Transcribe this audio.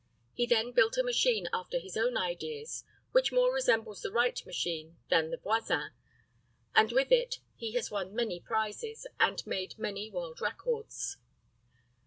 He then built a machine after his own ideas, which more resembles the Wright machine than the Voisin, and with it he has won many prizes, and made many world records.